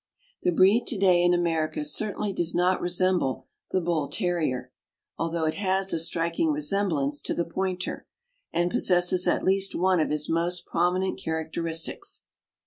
The breed to day in America certainly does not resemble the Bull Terrier, although it has a striking resemblance to the Pointer, and possesses at least one of his most prominent characteristics.